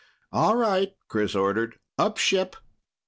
"All right," Chris ordered. "Up ship!"